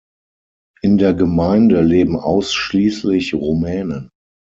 In der Gemeinde leben ausschließlich Rumänen.